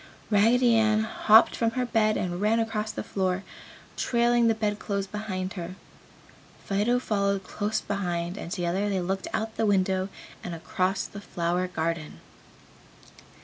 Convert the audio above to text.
Raggedy Ann hopped from her bed and ran across the floor, trailing the bed clothes behind her. Fido followed close behind and together they looked out the window across the flower garden.